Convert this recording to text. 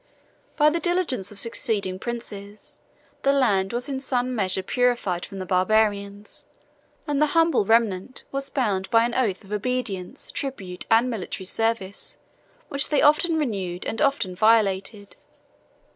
By the diligence of succeeding princes, the land was in some measure purified from the Barbarians; and the humble remnant was bound by an oath of obedience, tribute, and military service, which they often renewed and often violated.